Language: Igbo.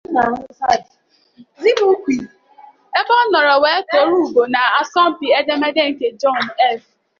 ebe ọ nọrọ wee tuuru ùgò n'asọmpi edemede nke John F